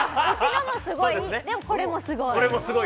でもこれもすごい！